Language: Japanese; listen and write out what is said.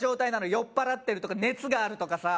酔っ払ってるとか熱があるとかさ